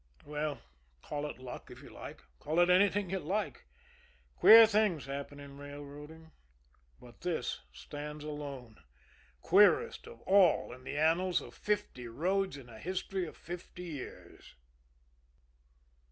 Well, call it luck, if you like call it anything you like. Queer things happen in railroading but this stands alone, queerest of all in the annals of fifty roads in a history of fifty years.